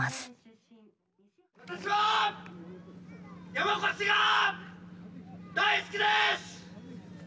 私は山古志が大好きです！